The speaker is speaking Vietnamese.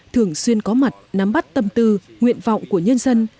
thường xuyên có mặt nắm bắt tâm tư nguyện vọng của nhân dân